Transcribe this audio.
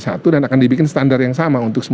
satu dan akan dibikin standar yang sama untuk